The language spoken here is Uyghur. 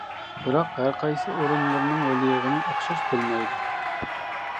بىراق ھەرقايسى ئورۇنلىرىنىڭ ھۆل-يېغىنى ئوخشاش بولمايدۇ.